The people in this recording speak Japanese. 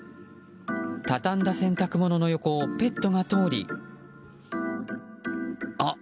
畳んだ洗濯物の横をペットが通りあっ！